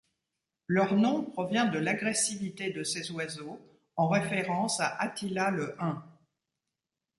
Leur nom provient de l'agressivité de ces oiseaux, en référence à Attila le Hun.